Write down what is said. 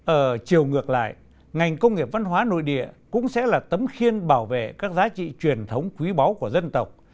ở chiều ngược lại ngành công nghiệp văn hóa nội địa cũng sẽ là tấm khiên bảo vệ các giá trị truyền thống quý báu của dân tộc